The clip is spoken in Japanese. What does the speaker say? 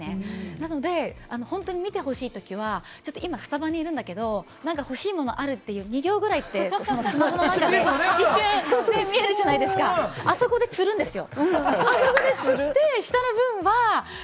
なので本当に見てほしいときは今スタバにいるんだけれども、何か欲しいものある？という２行ぐらい言って、スマホの中で一瞬見えるじゃないですか、あそこで釣るんですよ。